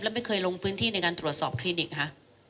ไม่เคยลงพื้นที่ในการตรวจสอบคลินิกฮะ